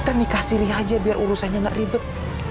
saya nikah sendiri saja biar urusannya tidak ribet